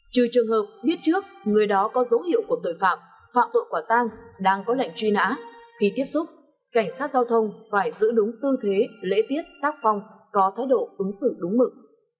trừ trường hợp biết trước người đó có dấu hiệu của tội phạm phạm tội quả tang đang có lệnh truy nã khi tiếp xúc cảnh sát giao thông phải giữ đúng tư thế lễ tiết tác phong có thái độ ứng xử đúng mực